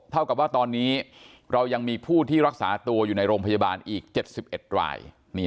เท่ากับว่าตอนนี้เรายังมีผู้ที่รักษาตัวอยู่ในโรงพยาบาลอีก๗๑ราย